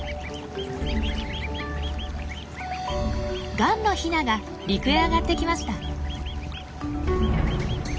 ガンのヒナが陸へ上がってきました。